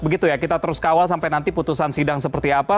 begitu ya kita terus kawal sampai nanti putusan sidang seperti apa